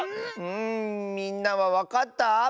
ん？んみんなはわかった？